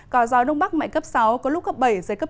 có gió đông bắc mạnh cấp sáu có lúc cấp bảy giật cấp tám